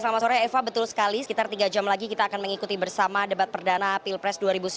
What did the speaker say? selamat sore eva betul sekali sekitar tiga jam lagi kita akan mengikuti bersama debat perdana pilpres dua ribu sembilan belas